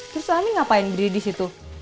terus amin ngapain berdiri di situ